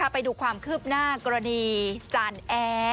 ไปดูความคืบหน้ากรณีจานแอร์